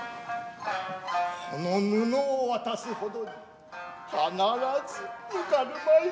この布を渡す程に必ず抜かるまいぞ。